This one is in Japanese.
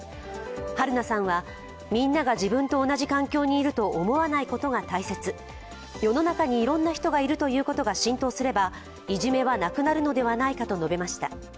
はるなさんは、みんなが自分と同じ環境にいると思わないことが大切、世の中にいろんな人がいるということが浸透すればいじめはなくなるのではないかと述べました。